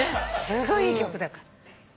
すごいいい曲だから。